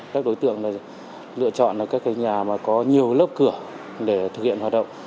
các đối tượng lựa chọn là các nhà có nhiều lớp cửa để thực hiện hoạt động